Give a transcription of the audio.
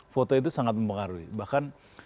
foto itu sangat mempengaruhi bahkan